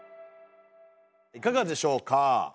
いかがでしょうか？